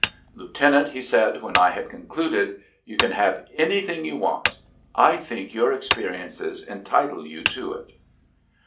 "Lieutenant," he said, when I had concluded, "you can have anything you want. I think your experiences entitle you to it."